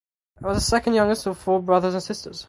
He was the second youngest of four brothers and sisters.